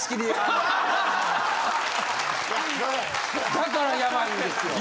だからヤバいんですよ。